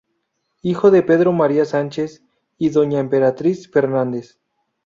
Hijo de "Pedro María Sánchez" y doña "Emperatriz Fernández".